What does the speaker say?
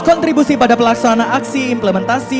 kontribusi pada pelaksana aksi implementasi